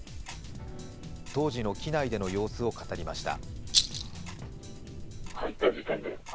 当時の機内での様子を語りました。